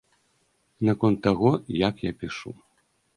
Наконт таго, як я пішу.